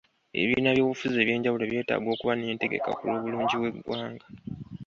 Ebibiina by'obufuzi ebyenjawulo byetaaga okuba n'entegeka ku lwobulungi bw'egwanga.